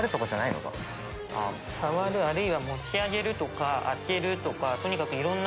触るあるいは持ち上げるとか開けるとか。